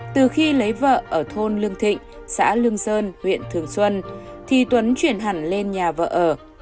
từ khi lấy vợ ở thôn lương thịnh xã lương sơn huyện thường xuân thì tuấn chuyển hẳn lên nhà vợ ở